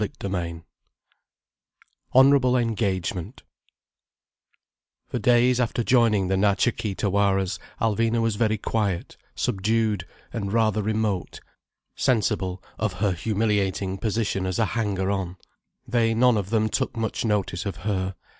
CHAPTER XI HONOURABLE ENGAGEMENT For days, after joining the Natcha Kee Tawaras, Alvina was very quiet, subdued, and rather remote, sensible of her humiliating position as a hanger on. They none of them took much notice of her.